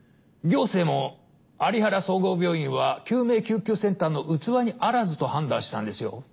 行政も有原総合病院は救命救急センターの器にあらずと判断したんですよ。